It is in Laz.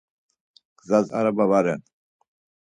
Gzas araba va ren.